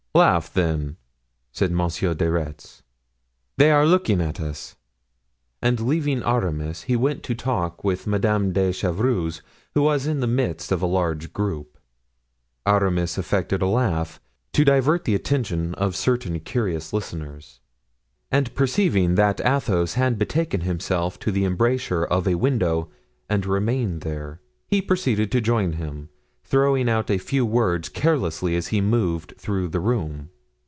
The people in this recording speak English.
"Laugh, then," said Monsieur de Retz; "they are looking at us." And leaving Aramis he went to talk with Madame de Chevreuse, who was in the midst of a large group. Aramis affected a laugh, to divert the attention of certain curious listeners, and perceiving that Athos had betaken himself to the embrasure of a window and remained there, he proceeded to join him, throwing out a few words carelessly as he moved through the room.